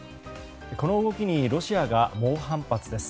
この動きにロシアが猛反発です。